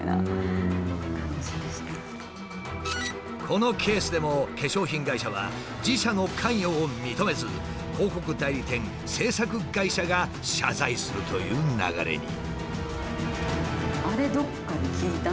このケースでも化粧品会社は自社の関与を認めず広告代理店制作会社が謝罪するという流れに。